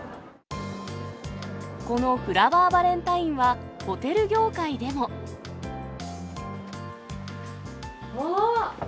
このフラワーバレンタインは、ホテル業界でも。